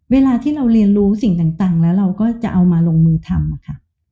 เวลาที่เราเรียนรู้สิ่งต่างแล้วเราก็จะเอามาลงมือทำค่ะ